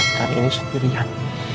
kamu harus menyelesaikan ini sendirian